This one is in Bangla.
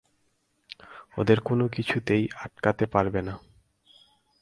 ওদের কোনোকিছুই আটকাতে পারবে না।